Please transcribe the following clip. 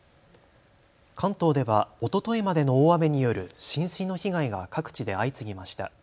関東ではおとといまでの大雨による浸水の被害が各地で相次ぎました。